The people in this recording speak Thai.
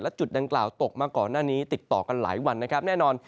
จุดดังกล่าวตกมาก่อนหน้านี้ติดต่อกันหลายวันนะครับแน่นอน